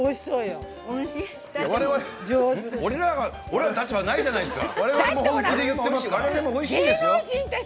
僕たちの立場、ないじゃないですか。